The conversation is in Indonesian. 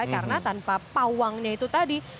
karena tanpa pawangnya itu tadi